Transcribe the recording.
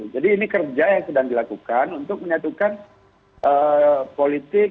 jadi ini kerja yang sedang dilakukan untuk menyatukan politik